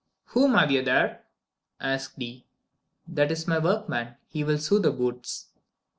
"Whom have you there?" asked he. "That is my workman. He will sew the boots."